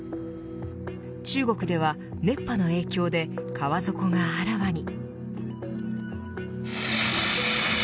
中国では、熱波の影響で川底があらわに。